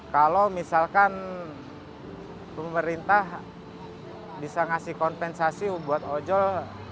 kalau misalkan pemerintah bisa ngasih kompensasi buat ojol